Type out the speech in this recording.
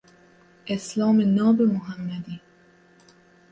اسلام ناب محمدی